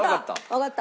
わかった！